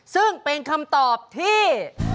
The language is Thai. ซึ่งเป็นคำตอบที่